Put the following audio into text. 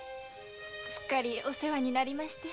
すっかりお世話になりまして。